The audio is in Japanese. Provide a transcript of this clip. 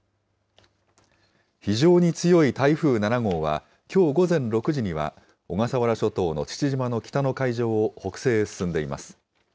非常に強い台風７号は、きょう午前６時には小笠原諸島の父島の北の海上を北西へ進んでいます。